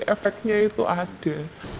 efeknya itu ada